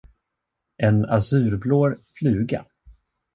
En azurblå fluga.